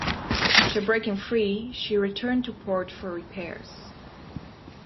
After breaking free, she returned to port for repairs.